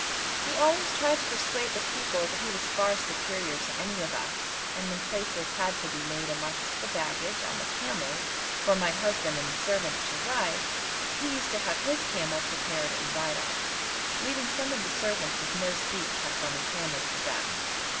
He always tried to persuade the people that he was far superior to any of us, and when places had to be made amongst the baggage on the camels for my husband and the servants to ride, he used to have his camel prepared and ride on, leaving some of the servants with no seat kept on the camels for them.